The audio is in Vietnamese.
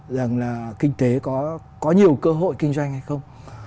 rằng là kinh tế có nhiều cơ hội kinh doanh hay không